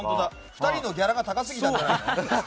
２人のギャラが高すぎたんじゃない？